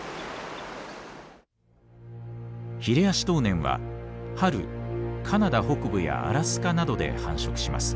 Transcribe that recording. ヒレアシトウネンは春カナダ北部やアラスカなどで繁殖します。